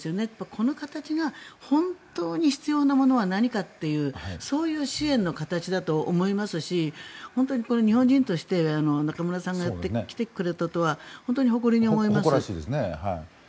この形が本当に必要なものは何かというそういう支援の形だと思いますし日本人として中村さんがやってきてくれたことは誇らしいですよね。